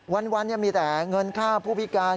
วันมีแต่เงินค่าผู้พิการ